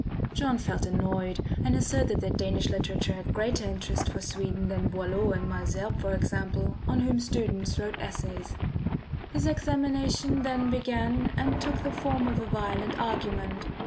John felt annoyed, and asserted that Danish literature had greater interest for Sweden than Boileau and Malesherbes, for example, on whom students wrote essays. His examination then began and took the form of a violent argument.